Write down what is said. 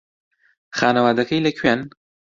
خانەوادەکەی لەکوێن؟